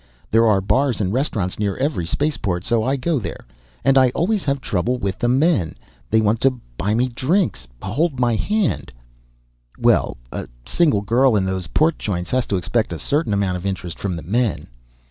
There are bars and restaurants near every spaceport so I go there. And I always have trouble with the men. They want to buy me drinks, hold my hand " "Well, a single girl in those port joints has to expect a certain amount of interest from the men."